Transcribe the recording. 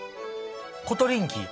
コトリンキー。